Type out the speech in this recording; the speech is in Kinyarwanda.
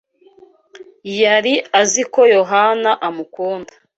Yari azi ko Yohana amukunda.